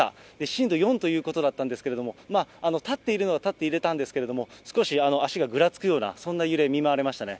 震度４ということだったんですけれども、立っているのは立っていられたんですけど、少し足がぐらつくような、そんな揺れに見舞われましたね。